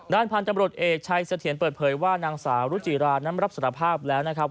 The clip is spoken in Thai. พันธุ์ตำรวจเอกชัยเสถียรเปิดเผยว่านางสาวรุจิรานั้นรับสารภาพแล้วนะครับ